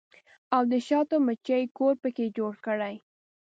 او د شاتو مچۍ کور پکښې جوړ کړي